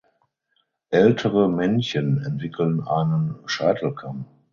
Ältere Männchen entwickeln einen Scheitelkamm.